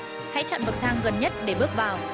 khi đi thang quấn hãy chọn bậc thang gần nhất để bước vào